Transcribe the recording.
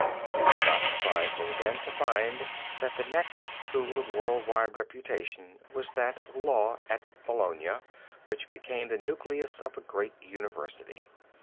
It is not surprising, then, to find that the next school of world wide reputation was that of law at Bologna which became the nucleus of a great university.